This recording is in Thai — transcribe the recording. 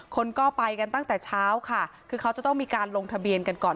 คนก็ไปกันตั้งแต่เช้าค่ะคือเขาจะต้องมีการลงทะเบียนกันก่อน